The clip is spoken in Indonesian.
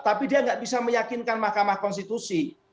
tapi dia nggak bisa meyakinkan mahkamah konstitusi